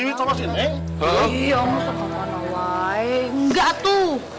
seru tau berjewit gitu